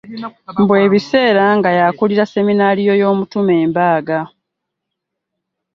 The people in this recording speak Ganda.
Mbu ebiseera nga yakulira sseminariyo y'omutume Mbaaga